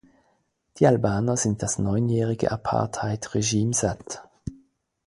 Die Albaner sind das neunjährige Apartheid-Regime satt.